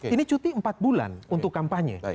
ini cuti empat bulan untuk kampanye